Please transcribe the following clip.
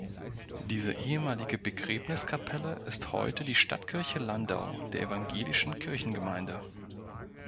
Diese ehemalige Begräbniskapelle ist heute die Stadtkirche Landau der evangelischen Kirchengemeinde.